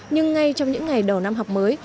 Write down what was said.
nhưng ngay trong những ngày đầu năm học mới